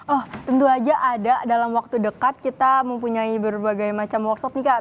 oh tentu aja ada dalam waktu dekat kita mempunyai berbagai macam workshop nih kak